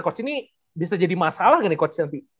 coach ini bisa jadi masalah gak nih coach nanti